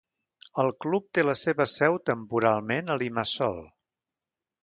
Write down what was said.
El club té la seva seu temporalment a Limassol.